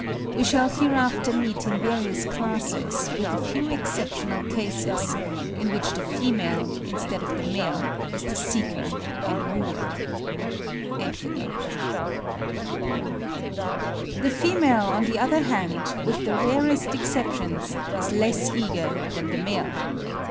We shall hereafter meet in various classes, with a few exceptional cases, in which the female, instead of the male, is the seeker and wooer.) The female, on the other hand, with the rarest exceptions, is less eager than the male.